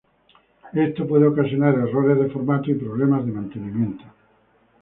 Esto puede ocasionar errores de formato y problemas de mantenimiento.